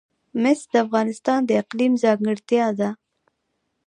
مس د افغانستان د اقلیم ځانګړتیا ده.